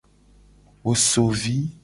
Wo so vi.